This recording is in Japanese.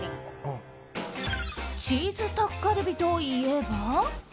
チーズタッカルビといえば。